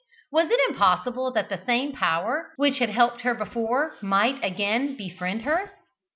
Was it impossible that the same power which had helped her before might again befriend her?